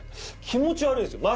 気持ち悪いんですよ。